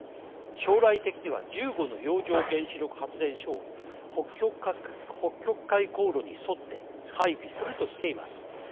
将来的には１５の洋上原子力発電所を北極海航路に沿って配備するとしています。